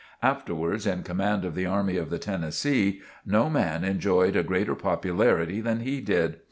Afterwards in command of the Army of the Tennessee, no man enjoyed a greater popularity than he did.